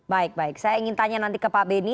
baik baik saya ingin nanya nanti ke pak benny